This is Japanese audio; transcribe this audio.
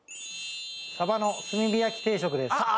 さばの炭火焼き定食です。